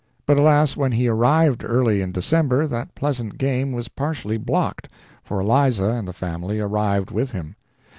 But, alas, when he arrived early in December, that pleasant game was partially blocked, for Eliza and the family arrived with him.